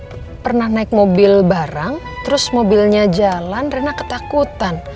iya reina pernah naik mobil bareng terus mobilnya jalan reina ketakutan